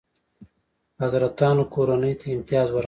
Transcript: حضرتانو کورنۍ ته امتیازات ورکړل.